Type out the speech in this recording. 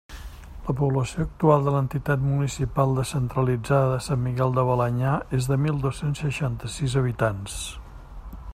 La població actual de l'entitat municipal descentralitzada de Sant Miquel de Balenyà és de mil dos-cents seixanta-sis habitants.